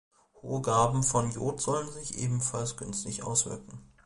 Hohe Gaben von Iod sollen sich ebenfalls günstig auswirken.